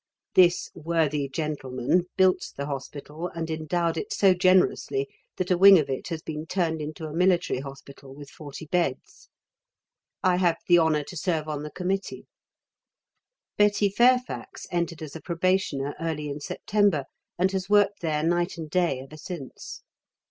This worthy gentleman built the hospital and endowed it so generously that a wing of it has been turned into a military hospital with forty beds. I have the honour to serve on the Committee. Betty Fairfax entered as a Probationer early in September, and has worked there night and day ever since.